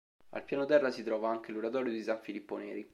Al piano terra si trova anche l’Oratorio di San Filippo Neri.